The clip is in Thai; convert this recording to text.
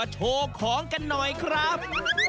โชว์ของกันหน่อยครับ